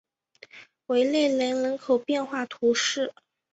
维勒雷人口变化图示